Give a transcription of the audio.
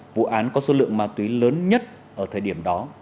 vụ án có số lượng ma túy lớn nhất ở thời điểm đó